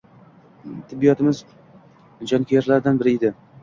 Tibbiyotimiz jonkuyarlaridan biri edi